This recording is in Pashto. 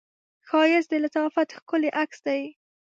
ښایست د لطافت ښکلی عکس دی